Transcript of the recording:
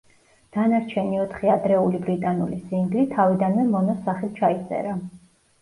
დანარჩენი ოთხი ადრეული ბრიტანული სინგლი თავიდანვე მონოს სახით ჩაიწერა.